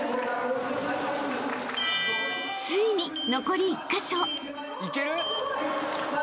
［ついに残り１カ所］